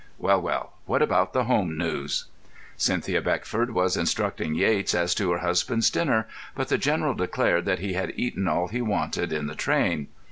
Well, well, what about the home news?" Cynthia Beckford was instructing Yates as to her husband's dinner, but the General declared that he had eaten all he wanted in the train.